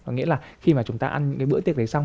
nghĩa là khi mà chúng ta ăn những bữa tiệc đấy xong